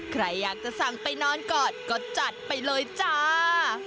ใครอยากจะสั่งไปนอนกอดก็จัดไปเลยจ้า